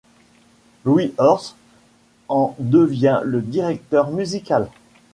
Louis Horst en devient le directeur musical.